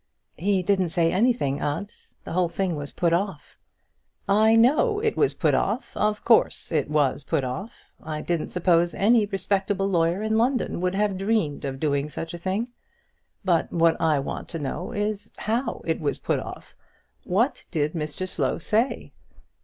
"He didn't say anything, aunt. The whole thing was put off." "I know it was put off; of course it was put off. I didn't suppose any respectable lawyer in London would have dreamed of doing such a thing. But what I want to know is, how it was put off. What did Mr Slow say?"